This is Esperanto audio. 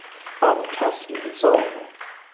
Oftas rizomo.